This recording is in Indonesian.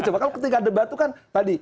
coba kalau ketika debat itu kan tadi